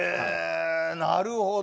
なるほど。